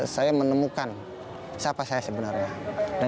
saya menemukan siapa saya sebenarnya